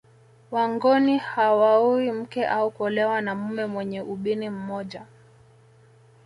Wangoni hawaoi mke au kuolewa na mume mwenye ubini mmoja